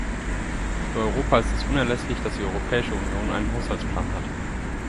Für Europa ist es unerlässlich, dass die Europäische Union einen Haushaltsplan hat.